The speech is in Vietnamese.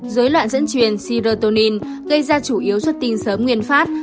dối loạn dẫn truyền sirotonin gây ra chủ yếu xuất tinh sớm nguyên phát